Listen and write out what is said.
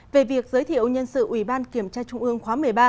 về việc giới thiệu nhân sự ủy ban kiểm tra trung ương khóa một mươi ba